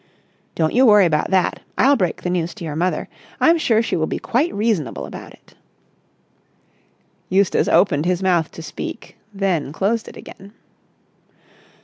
"Don't you worry about that. I'll break the news to your mother. I'm sure she will be quite reasonable about it." Eustace opened his mouth to speak, then closed it again.